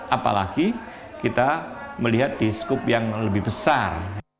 apalagi kita melihat di skup yang lebih besar